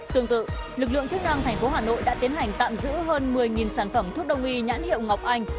tương tự lực lượng chức năng thành phố hà nội đã tiến hành tạm giữ hơn một mươi sản phẩm thuốc đông y nhãn hiệu ngọc anh